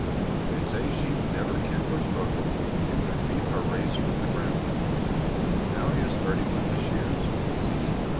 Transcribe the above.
They say sheep never kick or struggle if their feet are raised from the ground. Now he is starting with the shears. See!